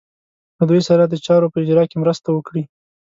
له دوی سره د چارو په اجرا کې مرسته وکړي.